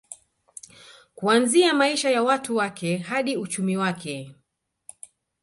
Kuanzia maisha ya watu wake hadi uchumi wake